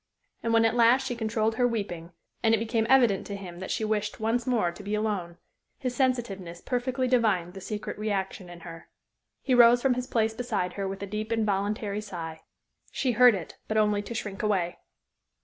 And when at last she controlled her weeping, and it became evident to him that she wished once more to be alone, his sensitiveness perfectly divined the secret reaction in her. He rose from his place beside her with a deep, involuntary sigh. She heard it, but only to shrink away.